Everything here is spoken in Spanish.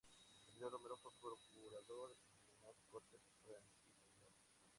Emilio Romero fue procurador en las Cortes franquistas.